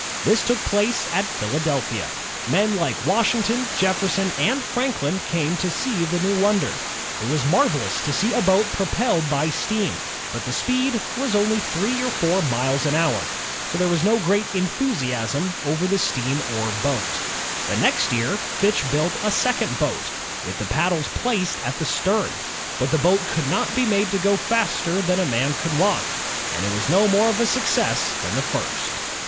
This took place at Philadelphia. Men like Washington, Jefferson, and Franklin came to see the new wonder. It was mar velous to see a boat propelled by steam, but the speed was only three or four miles an hour, so there was no great enthusiasm over the steam oar boat. The next year, Fitch built a second boat, with the paddles placed at the stern. But the boat could not be made to go faster than a man could walk, and it was no more of a success than the first.